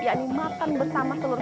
yakni makan bersama penghulu